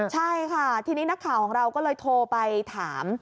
ใช่ค่ะทีนี้นักข่าวของเราก็เลยโทรไปถาม